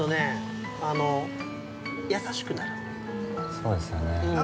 ◆そうですよね。